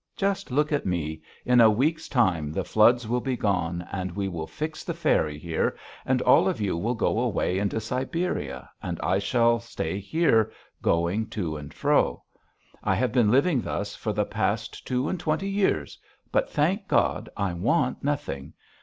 Just look at me. In a week's time the floods will be gone, and we will fix the ferry here, and all of you will go away into Siberia and I shall stay here, going to and fro. I have been living thus for the last two and twenty years, but, thank God, I want nothing.